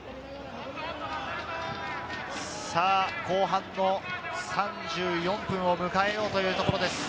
後半の３４分を迎えようというところです。